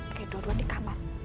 pake dua duaan di kamar